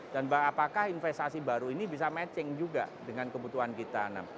dan apakah investasi baru ini bisa matching juga dengan kebutuhan kita